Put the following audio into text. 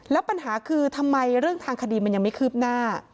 แล้วปัญหาคือทำไมเรื่องทางคดีมันยังไม่คืบหน้า